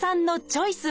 チョイス！